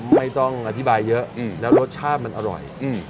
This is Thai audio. ไม่ต้องอธิบายเยอะแล้วรสชาติมันอร่อย